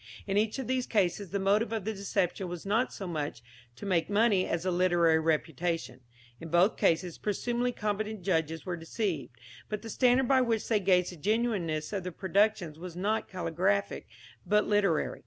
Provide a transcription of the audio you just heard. In each of these cases the motive of the deception was not so much to make money as a literary reputation. In both cases presumably competent judges were deceived. But the standard by which they gauged the genuineness of the productions was not caligraphic, but literary.